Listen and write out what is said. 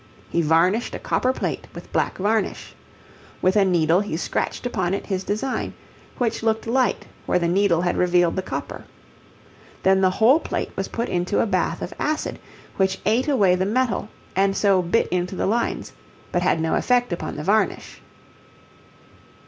He varnished a copper plate with black varnish. With a needle he scratched upon it his design, which looked light where the needle had revealed the copper. Then the whole plate was put into a bath of acid, which ate away the metal, and so bit into the lines, but had no effect upon the varnish.